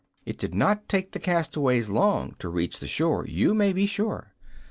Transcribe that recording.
It did not take the castaways long to reach the shore, you may be sure.